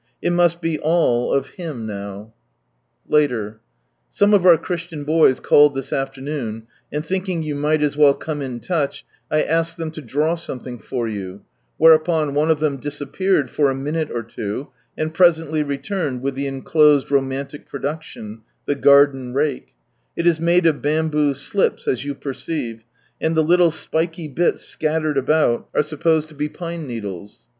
It must be all of Him now. .., Ijxier. — Some of our Christian boys called this afternoon, and thinking you might as well come in touch, I asked them to draw something for you — whereupon one of them disappeared for a minute or two, and presently returned with the T enclosed romantic production — the garden rake I It is made of bamboo slips, as you perceive, and the little spiky bits scattered about are supposed to be pine needles